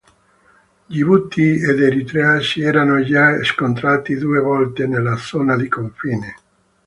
Gibuti ed Eritrea si erano già scontrati due volte nella zona di confine.